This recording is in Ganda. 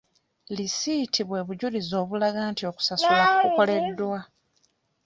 Lisiiti bwe bujulizi obulaga nti okusasula kukoleddwa.